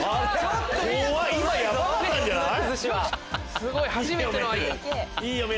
すごい！初めての割に。